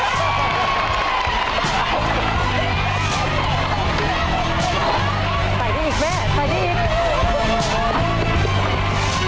ไปดีอีกแม่ไปดีอีก